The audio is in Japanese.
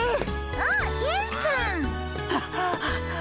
あっ！